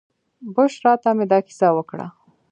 بشرا ته مې دا کیسه وکړه.